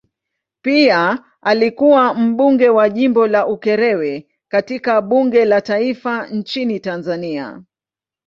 Pia alikuwa mbunge wa jimbo la Ukerewe katika bunge la taifa nchini Tanzania.